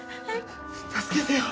助けてよ。